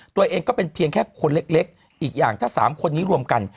ตัวเองก็เป็นเพียงแค่คนเล็กอีกอย่างถ้า๓คนนี้รวมกัน